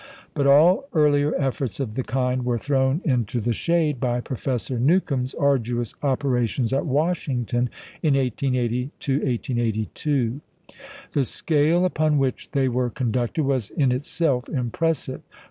But all earlier efforts of the kind were thrown into the shade by Professor Newcomb's arduous operations at Washington in 1880 1882. The scale upon which they were conducted was in itself impressive.